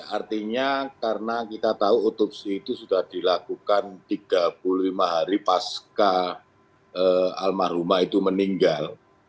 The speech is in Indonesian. artinya karena kita tahu otopsi itu sudah dilakukan tiga puluh lima hari pasca almarhumah itu meninggal